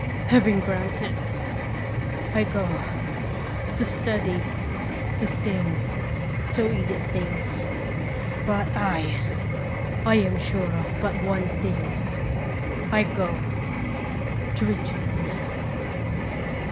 Heaven grant it ! I go to study, to sing, so Edith thinks; but 7 I am sure of but one thing ; I go to return